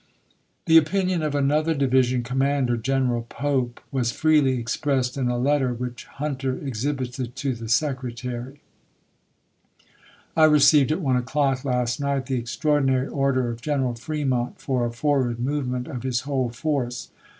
MILITARY EMANCIPATION 431 The opinion of another division commander, General Pope, was freely expressed in a letter which Hunter exhibited to the Secretary; I received at one o'clock last night the extraordinary order of General Fremont for a forward movement of his whole force.